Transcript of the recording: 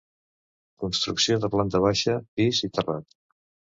Construcció de planta baixa, pis i terrat.